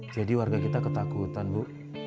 jadi warga kita ketakutan bu